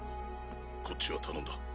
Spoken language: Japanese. こっちは頼んだ。